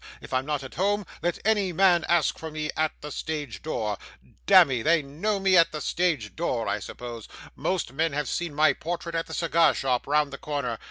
If I'm not at home, let any man ask for me at the stage door. Damme, they know me at the stage door I suppose. Most men have seen my portrait at the cigar shop round the corner.